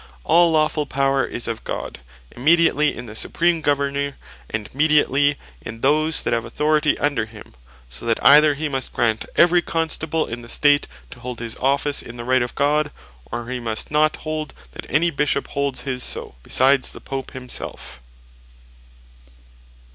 All lawfull Power is of God, immediately in the Supreme Governour, and mediately in those that have Authority under him: So that either hee must grant every Constable in the State, to hold his Office in the Right of God; or he must not hold that any Bishop holds his so, besides the Pope himselfe.